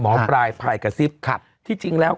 หมอปลายพายกระซิบที่จริงแล้ว